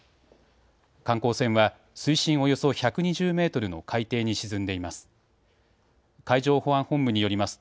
観光船は水深およそ１２０メートルの海底に沈んでいます。